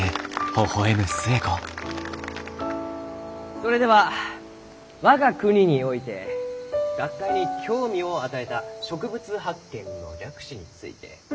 それでは「我が国において学会に興味を与えた植物発見の略史」について。